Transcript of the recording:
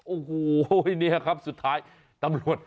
โอ้โหนี่ครับสุดท้ายตำรวจ